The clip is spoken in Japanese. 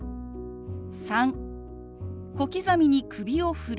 ３小刻みに首を振る。